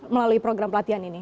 melalui program pelatihan ini